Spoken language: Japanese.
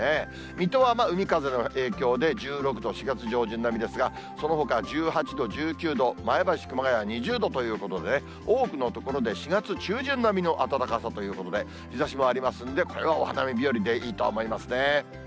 水戸は海風の影響で１６度、４月上旬並みですが、そのほかは１８度、１９度、前橋、熊谷２０度ということでね、多くの所で４月中旬並みの暖かさということで、日ざしもありますんで、これはお花見日和でいいと思いますね。